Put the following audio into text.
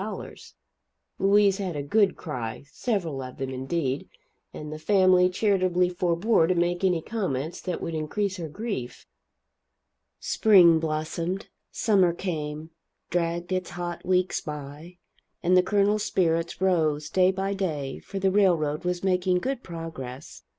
Louise had a good cry several of them, indeed and the family charitably forebore to make any comments that would increase her grief. Spring blossomed, summer came, dragged its hot weeks by, and the Colonel's spirits rose, day by day, for the railroad was making good progress.